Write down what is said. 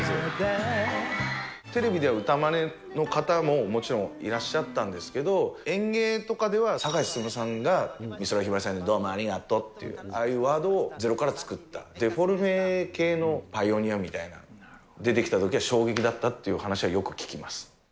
テレビでは歌まねの方ももちろんいらっしゃったんですけど、演芸とかでは、堺すすむさんが美空ひばりさんの、どうもありがとうっていう、ああいうワードをゼロから作った、デフォルメ系のパイオニアみたいな、出てきたときは衝撃だったっていう話は、よく聞きます。